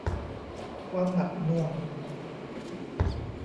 ความหนักหน่วง